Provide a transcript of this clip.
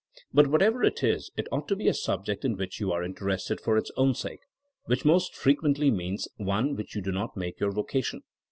But whatever it is, it ought to be a subject in which you are interested for its own sake — ^which most frequently means one which you do not make your vocation.